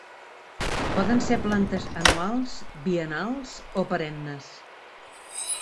Poden ser plantes anuals, biennals o perennes.